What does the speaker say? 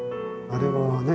あれはね